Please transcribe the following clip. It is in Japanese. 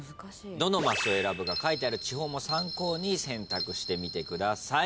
どのマスを選ぶか書いてある地方も参考に選択してみてください。